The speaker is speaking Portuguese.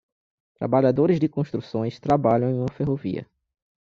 Trabalhadores de construções trabalham em uma ferrovia.